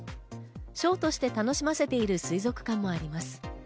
ショーとして楽しませている水族館もあります。